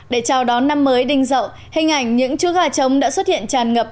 để chào đón năm mới đinh dậu hình ảnh những chúa gà trống đã xuất hiện tràn ngập